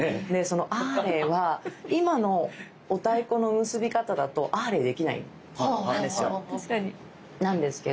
その「あれ」は今のお太鼓の結び方だと「あれ」できないんですよ。